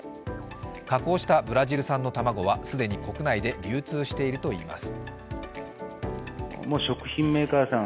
加工したブラジル産の卵は既に国内で流通しているといいます。